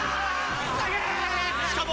しかも。